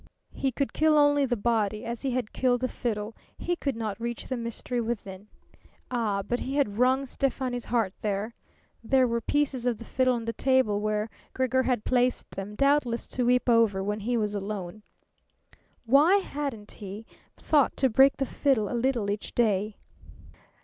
He could kill only the body, as he had killed the fiddle; he could not reach the mystery within. Ah, but he had wrung Stefani's heart there. There were pieces of the fiddle on the table where Gregor had placed them, doubtless to weep over when he was alone. Why hadn't he thought to break the fiddle a little each day?